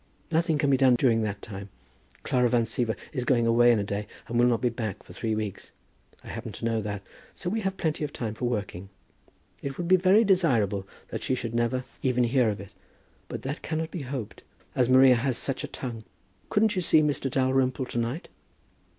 "Nothing can be done during that time. Clara Van Siever is going away in a day, and will not be back for three weeks. I happen to know that; so we have plenty of time for working. It would be very desirable that she should never even hear of it; but that cannot be hoped, as Maria has such a tongue! Couldn't you see Mr. Dalrymple to night?"